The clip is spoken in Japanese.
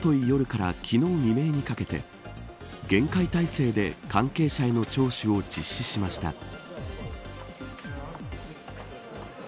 夜から昨日未明にかけて厳戒態勢で関係者への聴取を実施しました。